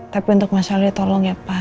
tapi untuk masalah dia tolong ya pak